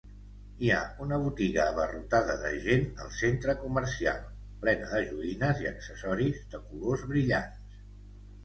Hi ha una botiga abarrotada de gent al centre comercial plena de joguines i accessoris de colors brillants.